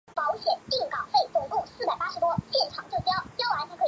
县莅位于东兴市镇。